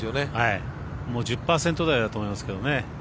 もう１０％台だと思いますけどね。